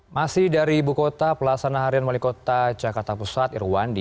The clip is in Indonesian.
masih dari ibu kota pelasana harian wali kota jakarta pusat irwandi